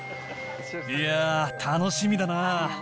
いやー、楽しみだな。